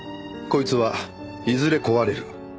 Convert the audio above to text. こいつはいずれ壊れる。